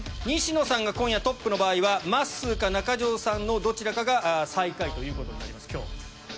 西野さんが今夜トップの場合はまっすーか中条さんのどちらかが最下位ということになります今日。